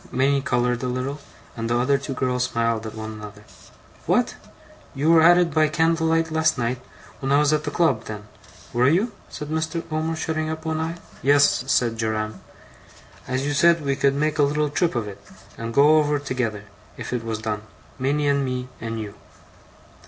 Minnie coloured a little, and the other two girls smiled at one another. 'What! you were at it by candle light last night, when I was at the club, then? Were you?' said Mr. Omer, shutting up one eye. 'Yes,' said Joram. 'As you said we could make a little trip of it, and go over together, if it was done, Minnie and me and you.